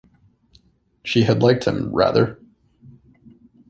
She had liked him — rather.